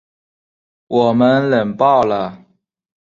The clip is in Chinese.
我们冷爆了